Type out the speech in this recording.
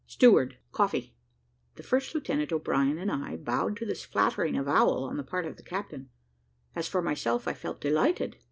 Steward, coffee." The first lieutenant, O'Brien, and I, bowed to this flattering avowal on the part of the captain; as for myself, I felt delighted.